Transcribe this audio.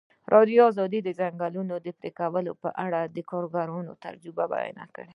ازادي راډیو د د ځنګلونو پرېکول په اړه د کارګرانو تجربې بیان کړي.